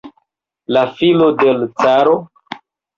La filo de l' caro?